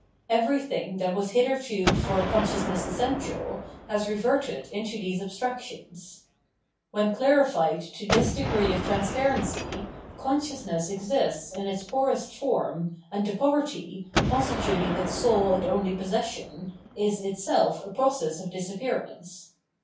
Everything, that was hitherto for consciousness essential, has reverted into these abstrac tions. When clarified to this degree of transparency, consciousness exists in its poorest form, and the poverty, constituting its sole and only possession, is itself a process of disappearance.